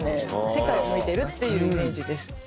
世界を向いているっていうイメージです。